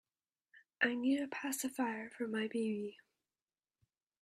I need a pacifier for my baby.